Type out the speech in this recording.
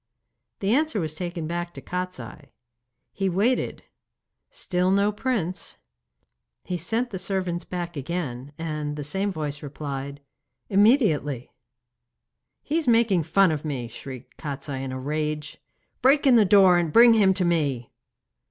The answer was taken back to Kostiei. He waited; still no prince. He sent the servants back again, and the same voice replied, 'Immediately.' 'He is making fun of me!' shrieked Kostiei in a rage. 'Break in the door, and bring him to me!